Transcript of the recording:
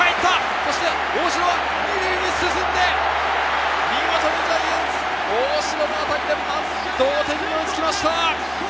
そして大城は２塁に進んで、見事にジャイアンツ、大城の当たりでまず同点に追いつきました！